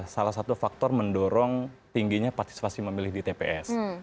salah satu faktor mendorong tingginya partisipasi memilih di tps